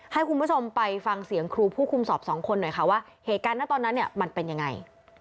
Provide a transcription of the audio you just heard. ให้คุณผู้ชมไปฟังเสียงครูผู้คุมสอบสองคนหน่อยค่ะว่าเหตุการณ์นะตอนนั้นเนี่ยมันเป็นยังไง